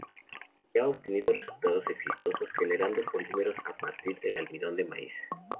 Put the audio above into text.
Ya han obtenido resultados exitosos generando polímeros a partir del almidón de maíz.